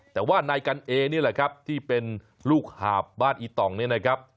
แต่ว่านายกันเอนี่แหละครับที่เป็นลูกหาบบ้านอีต่องเนี่ยนะครับ